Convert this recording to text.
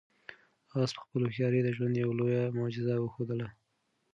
آس په خپله هوښیارۍ د ژوند یوه لویه معجزه وښودله.